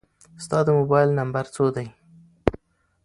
ستا د موبایل نمبر څو دی؟